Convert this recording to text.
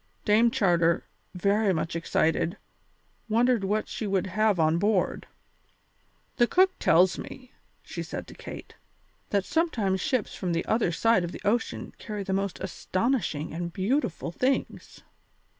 Dame Charter, very much excited, wondered what she would have on board. "The cook tells me," said she to Kate, "that sometimes ships from the other side of the ocean carry the most astonishing and beautiful things."